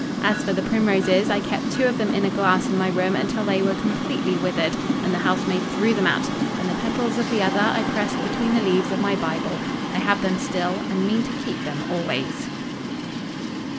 As for the primroses, I kept two of them in a glass in my room until they were completely withered, and the housemaid threw them out; and the petals of the other I pressed between the leaves of my Bible—I have them still, and mean to keep them always.